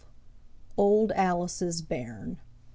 OLD ALICE'S BAIRN.